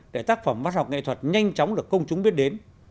để tác phẩm văn học nghệ thuật nhanh chóng được công chúng biết đến